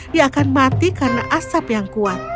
dia akan mati karena asap yang kuat